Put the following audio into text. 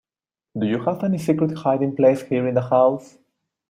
Do you have any secret hiding place here in the house?